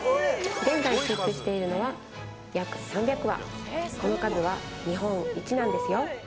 現在飼育しているのは約３００羽その数は日本一なんですよ